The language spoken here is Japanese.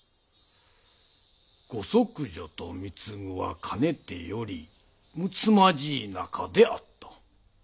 御息女と貢はかねてよりむつまじい仲であった。